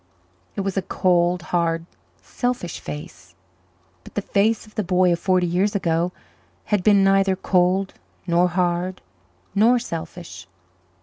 It was a cold, hard, selfish face, but the face of the boy of forty years ago had been neither cold nor hard nor selfish.